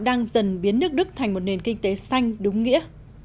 đang dần biến nước đức thành một nền kinh tế xanh đúng nghĩa